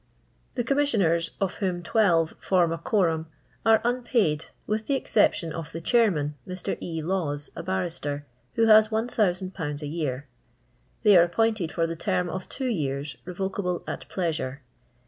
The Commissioners (of whom twelve form a quorum) are unpaid, with the exception of the chairman, Mr. K.Lawes, a barrister, who has 1 000^ a year. Th«*y are appointed for the term of two years, revocable at pleasure.